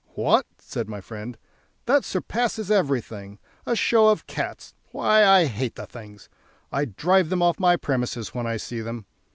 "What!" said my friend, "that surpasses everything! A show of cats! Why, I hate the things; I drive them off my premises when I see them.